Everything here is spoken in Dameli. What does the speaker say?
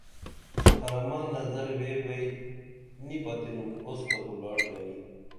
حرمہ نظر ویبئی نی پتِنُم اوسکہ کُو لاٹ گنی